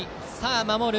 守る